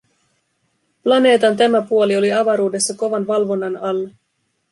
Planeetan tämä puoli oli avaruudessa kovan valvonnan alla.